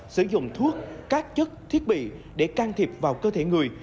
sử dụng thuốc các chất thiết bị để can thiệp vào cơ thể người